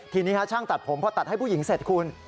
ทีนี้ช่างตัดผมพอตัดให้ผู้หญิงเสร็จคุณ